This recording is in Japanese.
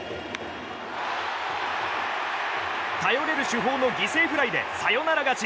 頼れる主砲の犠牲フライでサヨナラ勝ち。